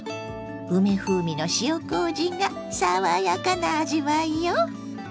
梅風味の塩こうじが爽やかな味わいよ！